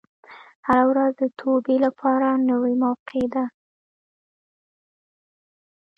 هره ورځ د توبې لپاره نوې موقع ده.